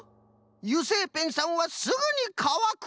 油性ペンさんはすぐにかわく。